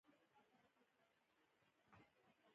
د تخار په بهارک کې د سرو زرو نښې شته.